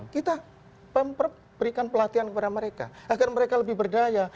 kita berikan pelatihan kepada mereka agar mereka lebih berdaya